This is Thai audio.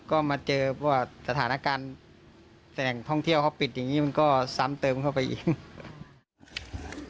ก็มาเจอว่าสถานการณ์แหล่งท่องเที่ยวเขาปิดอย่างนี้มันก็ซ้ำเติมเข้าไปอีก